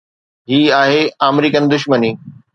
هي آهي آمريڪن دشمني.